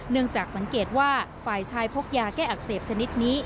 เนื่องจากสังเกตว่าฝ่ายชายพกยาแก้อักเสบชนิดนี้